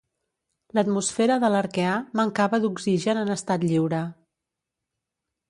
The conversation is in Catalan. L'atmosfera de l'Arqueà mancava d'oxigen en estat lliure.